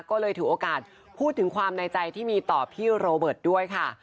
ก็เลยถือโอกาสพูดถึงความในใจที่มีต่อพี่โรเบิร์ตด้วยค่ะ